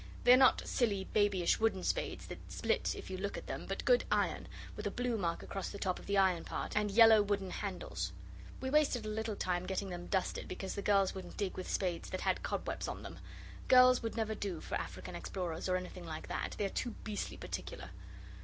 They are not silly, babyish, wooden spades, that split if you look at them, but good iron, with a blue mark across the top of the iron part, and yellow wooden handles. We wasted a little time getting them dusted, because the girls wouldn't dig with spades that had cobwebs on them. Girls would never do for African explorers or anything like that, they are too beastly particular.